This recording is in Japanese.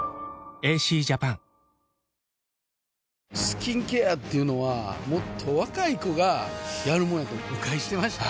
スキンケアっていうのはもっと若い子がやるもんやと誤解してました